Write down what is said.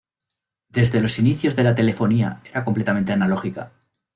Desde los inicios de la telefonía era completamente analógica.